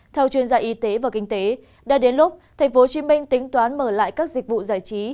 theo chuyên gia y tế và kinh tế đã đến lúc thành phố hồ chí minh tính toán mở lại các dịch vụ giải trí